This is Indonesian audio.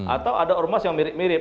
atau ada ormas yang mirip mirip